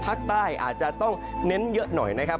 ภาคใต้อาจจะต้องเน้นเยอะหน่อยนะครับ